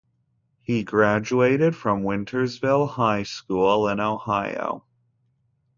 He graduated from Wintersville High School in Ohio.